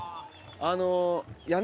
あの。